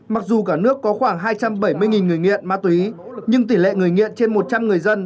mặc dù cả nước có khoảng hai trăm bảy mươi người nghiện ma túy nhưng tỷ lệ người nghiện trên một trăm linh người dân